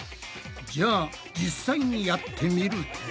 じゃあ実際にやってみると。